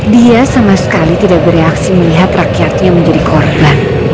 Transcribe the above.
dia sama sekali tidak bereaksi melihat rakyatnya menjadi korban